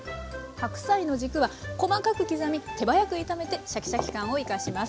白菜の軸は細かく刻み手早く炒めてシャキシャキ感を生かします。